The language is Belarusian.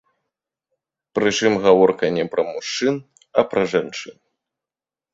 Прычым гаворка не пра мужчын, а пра жанчын.